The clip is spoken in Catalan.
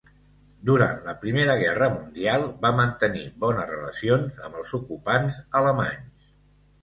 Durant la Primera Guerra Mundial va mantenir bones relacions amb els ocupants alemanys.